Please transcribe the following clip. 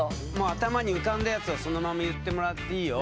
頭に浮かんだやつをそのまま言ってもらっていいよ。